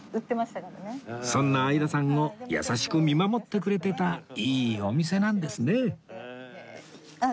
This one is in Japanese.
そんな相田さんを優しく見守ってくれてたいいお店なんですね